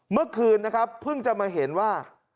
เมื่อคืนนะครับเพิ่งจะมาเห็นว่า